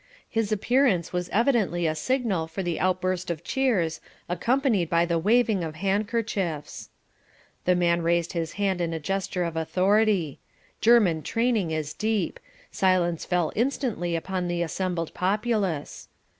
His appearance was evidently a signal for the outburst of cheers, accompanied by the waving of handkerchiefs. The man raised his hand in a gesture of authority. German training is deep. Silence fell instantly upon the assembled populace.